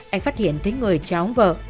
anh phát hiện thấy người cháu vợ